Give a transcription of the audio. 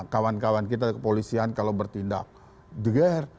kawan kawan kita kepolisian kalau bertindak deger